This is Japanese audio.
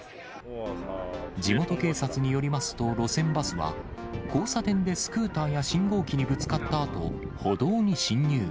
地元警察によりますと、路線バスは、交差点でスクーターや信号機にぶつかったあと、歩道に進入。